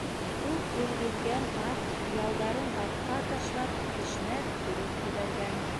Күп ил гиҙгән Ат ялдарын артҡа ташлап, кешнәп-көлөп ебәргән: